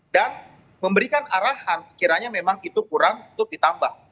dan memberikan arahan sekiranya memang itu kurang itu ditambah